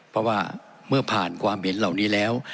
เพราะว่าเมื่อผ่านความเห็นเหล่านี้แล้ว